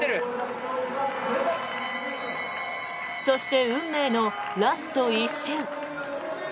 そして、運命のラスト１周。